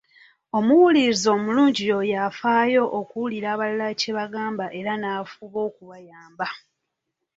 Omuwuliriza omulungi y’oyo afaayo okuwulira abalala kye bagamba era n’afuba okubayamba.